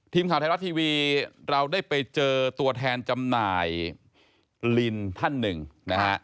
ทีมข่าวไทยรัฐทีวีเราได้ไปเจอตัวแทนจำหน่ายลินท่านหนึ่งนะฮะ